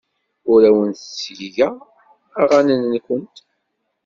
Ur awent-ttgeɣ aɣanen-nwent.